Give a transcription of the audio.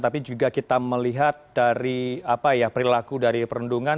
tapi juga kita melihat perilaku dari perundungan